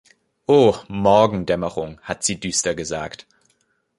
„Oh, Morgendämmerung“, hat sie düster gesagt.